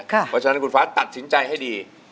เพราะฉะนั้นคุณฟ้าตัดสินใจให้ดี